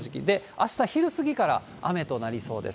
あした昼過ぎから雨となりそうです。